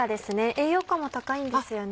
栄養価も高いんですよね。